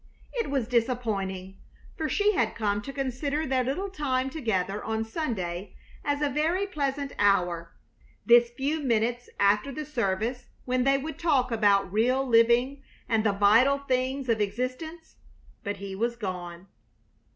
It was disappointing, for she had come to consider their little time together on Sunday as a very pleasant hour, this few minutes after the service when they would talk about real living and the vital things of existence. But he was gone!